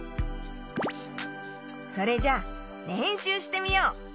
それじゃれんしゅうしてみよう。